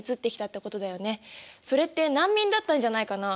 それって難民だったんじゃないかな？